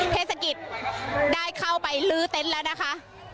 เทศกิจได้เข้าไปลื้อเต็นต์แล้วนะคะ